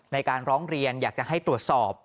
ในการร้องเรียนอยากจะให้ตรวจสอบ